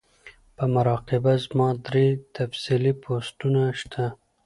پۀ مراقبه زما درې تفصيلی پوسټونه شته